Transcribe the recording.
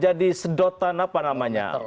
jadi sedotan apa namanya